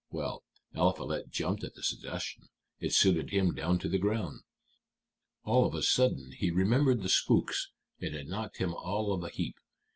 Well, Eliphalet jumped at the suggestion: it suited him down to the ground. All of a sudden he remembered the spooks, and it knocked him all of a heap.